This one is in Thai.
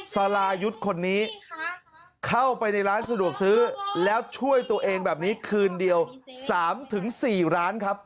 สรายุทธ์คนนี้เข้าไปในร้านสะดวกซื้อแล้วช่วยตัวเองแบบนี้คืนเดียว๓๔ร้านครับ